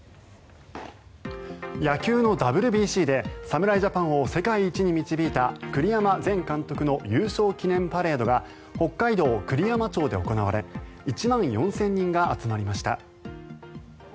野球のＷＢＣで侍ジャパンを世界一に導いた栗山前監督の優勝記念パレードが北海道栗山町で行われ１万４０００人が集まりました。